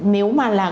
nếu mà là